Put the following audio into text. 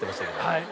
はい。